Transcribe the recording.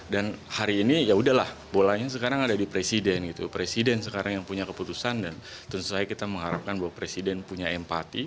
dan hari ini yaudahlah bolanya sekarang ada di presiden presiden sekarang yang punya keputusan dan tentu saja kita mengharapkan bahwa presiden punya empati